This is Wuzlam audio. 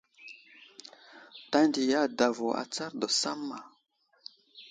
Tanday i adavo atsar daw samma.